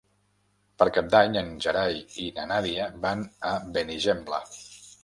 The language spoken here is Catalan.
Per Cap d'Any en Gerai i na Nàdia van a Benigembla.